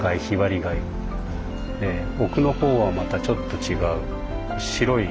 奥の方はまたちょっと違う白い。